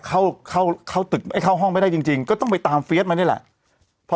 เข้าเข้าตึกไม่เข้าห้องไม่ได้จริงก็ต้องไปตามเฟียสมานี่แหละ